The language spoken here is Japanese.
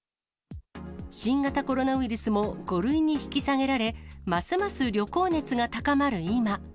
新型コロナウイルスも５類に引き下げられ、ますます旅行熱が高まる今。